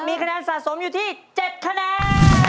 มีคะแนนสะสมอยู่ที่๗คะแนน